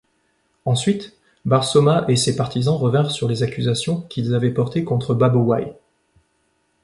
Ensuite, Barsauma et ses partisans revinrent sur les accusations qu'ils avaient portées contre Babowaï.